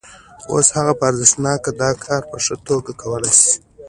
اوس هغه په رښتیا دا کار په ښه توګه کولای شي